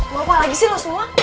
mau apa lagi sih lo semua